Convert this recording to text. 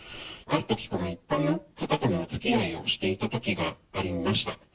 あるとき、一般の方とのおつきあいをしていたときがありました。